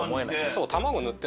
そう。